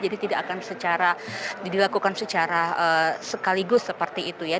jadi tidak akan secara dilakukan secara sekaligus seperti itu ya